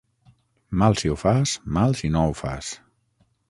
Mal si ho fas, mal si no ho fas.